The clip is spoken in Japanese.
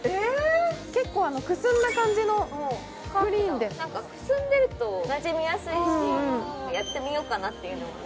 結構くすんだ感じのグリーンで何かくすんでるとなじみやすいしやってみようかなっていうのもね